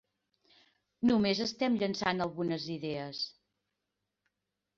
Només estem llançant algunes idees.